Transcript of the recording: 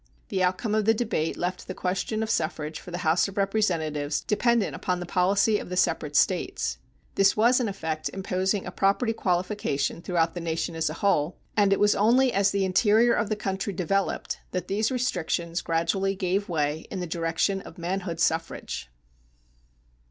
The outcome of the debate left the question of suffrage for the House of Representatives dependent upon the policy of the separate States. This was in effect imposing a property qualification throughout the nation as a whole, and it was only as the interior of the country developed that these restrictions gradually gave way in the direction of manhood suffrage.